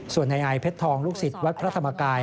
ส่วนในอายเพชรทองลูกศิษย์วัดพระธรรมกาย